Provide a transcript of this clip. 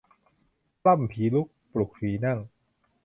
ปล้ำผีลุก ปลุกผีนั่ง